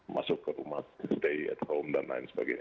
masuk ke rumah stay at home dan lain sebagainya